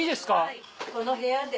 はいこの部屋で。